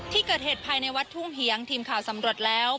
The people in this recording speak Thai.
ที่เกิดเหตุภายในวัดทุ่งเหียงทีมข่าวสำรวจแล้ว